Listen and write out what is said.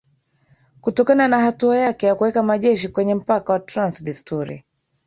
kutokana na hatua yake ya kuweka majeshi kwenye mpaka wa trans desturi